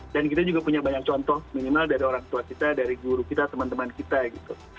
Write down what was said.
dan kita juga punya banyak contoh minimal dari orang tua kita dari guru kita teman teman kita gitu